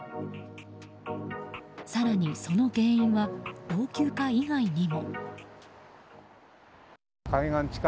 更に、その原因は老朽化以外にも。